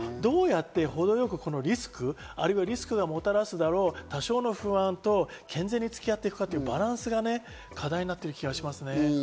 どうやって程良くリスク、あるいはリスクがもたらすであろう多少の不安と健全につき合っていくかというバランスが課題になっていく気がしますね。